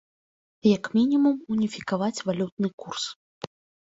Як мінімум уніфікаваць валютны курс.